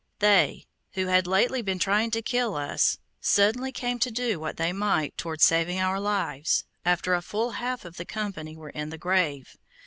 They, who had lately been trying to kill us, suddenly came to do what they might toward saving our lives after a full half of the company were in the grave.